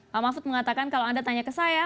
pak mahfud mengatakan kalau anda tanya ke saya